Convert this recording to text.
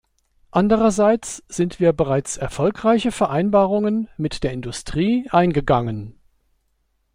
Andererseits sind wir bereits erfolgreiche Vereinbarungen mit der Industrie eingegangen.